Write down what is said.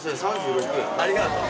ありがとう。